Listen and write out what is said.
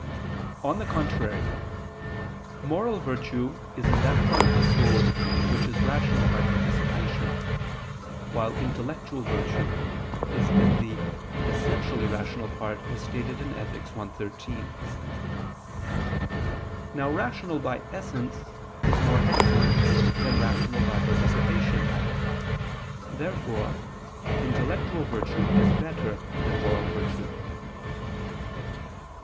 On the contrary, Moral virtue is in that part of the soul which is rational by participation; while intellectual virtue is in the essentially rational part, as stated in Ethic. i, 13. Now rational by essence is more excellent than rational by participation. Therefore intellectual virtue is better than moral virtue.